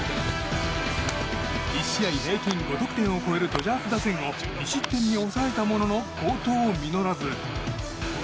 １試合平均５得点を超えるドジャース打線を２失点に抑えたものの好投実らず。